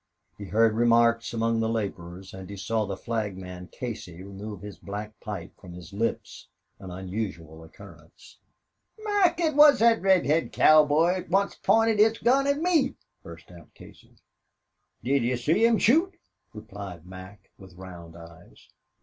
He heard remarks among the laborers, and he saw the flagman Casey remove his black pipe from his lips an unusual occurrence. "Mac, it wus thot red head cowboy wot onct p'inted his gun at me!" burst out Casey. "Did yez see him shoot?" replied Mac, with round eyes.